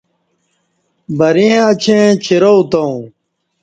بریں اچیں چیراو تں